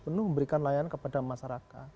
penuh memberikan layanan kepada masyarakat